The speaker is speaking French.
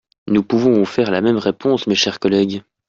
Nous pouvons vous faire la même réponse, mes chers collègues.